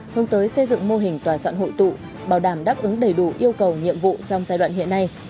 hướng tới xây dựng mô hình tòa soạn hội tụ bảo đảm đáp ứng đầy đủ yêu cầu nhiệm vụ trong giai đoạn hiện nay